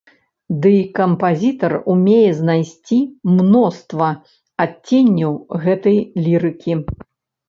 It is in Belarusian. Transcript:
Дый кампазітар умее знайсці мноства адценняў гэтай лірыкі.